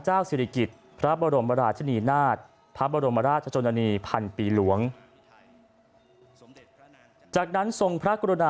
สาธาประนามแค่ทานันดอลศักดิ์พระบรมวงศานุวงศ์ดังนี้